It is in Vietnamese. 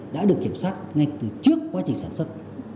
đã được kiểm soát ngay từ trước quá trình sản xuất